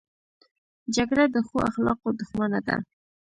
جګړه د ښو اخلاقو دښمنه ده